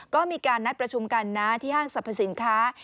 ก็มีการนัดประชุมกันนะที่ห้างสรรพสินค้า